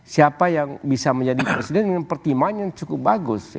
siapa yang bisa menjadi presiden dengan pertimbangan yang cukup bagus